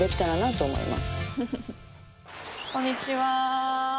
こんにちは。